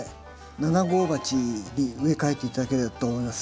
７号鉢に植え替えて頂ければと思います。